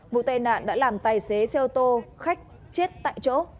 vụ tai nạn đã làm tài xế xe ô tô khách chết tại chỗ